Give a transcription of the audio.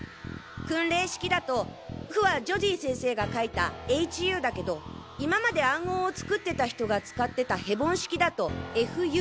訓令式だと「ふ」はジョディ先生が書いた「ＨＵ」だけど今まで暗号を作ってた人が使ってたヘボン式だと「ＦＵ」！